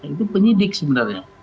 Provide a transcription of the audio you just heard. itu penyidik sebenarnya